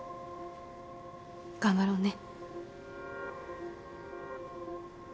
頑張ろうね。